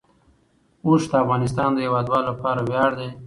اوښ د افغانستان د هیوادوالو لپاره ویاړ دی.